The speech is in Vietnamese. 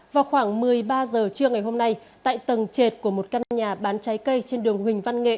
vào khoảng một mươi ba h trưa ngày hôm nay tại tầng trệt của một căn nhà bán trái cây trên đường huỳnh văn nghệ